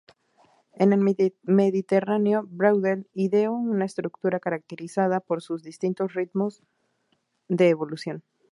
En "El Mediterráneo", Braudel ideó una estructura caracterizada por sus distintos ritmos de evolución.